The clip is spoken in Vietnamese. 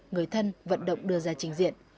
người thân vận động đưa ra trình diện